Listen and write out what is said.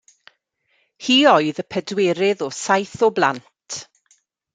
Hi oedd y pedwerydd o saith o blant.